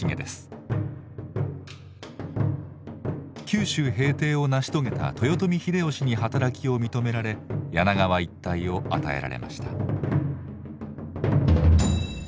九州平定を成し遂げた豊臣秀吉に働きを認められ柳川一帯を与えられました。